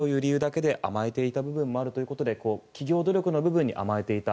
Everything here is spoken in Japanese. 自治体が業者に安いほうがいいという理由だけで甘えていた部分もあるということで企業努力の部分に甘えていた。